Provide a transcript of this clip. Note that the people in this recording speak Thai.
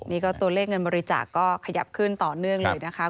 นี่ก็ตัวเลขเงินบริจาคก็ขยับขึ้นต่อเนื่องเลยนะคะ